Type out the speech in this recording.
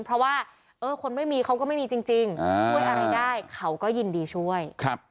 เพราะว่าคนไม่มีเขาก็ไม่มีจริงช่วยอะไรได้เขาก็ยินดีช่วย